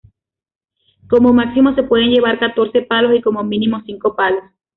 Como máximo se pueden llevar catorce palos y como mínimo cinco palos.